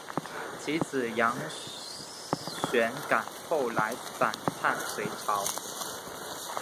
其子杨玄感后来反叛隋朝。